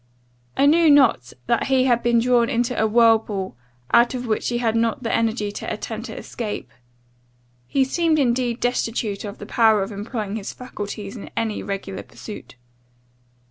I knew not that he had been drawn into a whirlpool, out of which he had not the energy to attempt to escape. He seemed indeed destitute of the power of employing his faculties in any regular pursuit.